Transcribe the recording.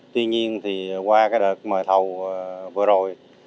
tuy nhiên thì qua cái đợt mời thầu vừa rồi